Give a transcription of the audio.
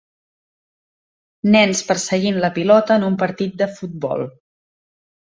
Nens perseguint la pilota en un partit de futbol.